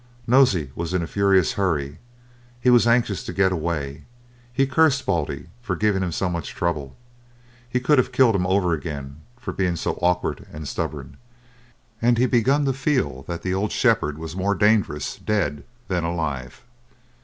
Nosey was in a furious hurry, he was anxious to get away; he cursed Baldy for giving him so much trouble; he could have killed him over again for being so awkward and stubborn, and he begun to feel that the old shepherd was more dangerous dead than alive.